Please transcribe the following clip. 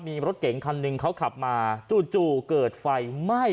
มีรถเก๋งคันหนึ่งเขาขับมาจู่เกิดไฟไหม้